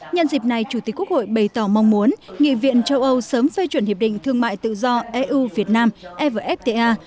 nhân dịp này chủ tịch quốc hội bày tỏ mong muốn nghị viện châu âu sớm phê chuẩn hiệp định thương mại tự do eu việt nam evfta